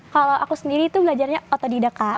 kalau aku sendiri itu belajarnya otodidak kak